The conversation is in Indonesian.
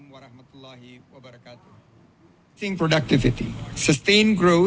pertama itu untuk memastikan pariwisata berkualitas dan berkelanjutan